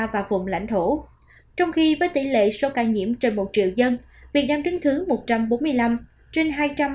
và vùng lãnh thổ trong khi với tỷ lệ số ca nhiễm trên một triệu dân việt nam đứng thứ một trăm bốn mươi năm trên hai trăm linh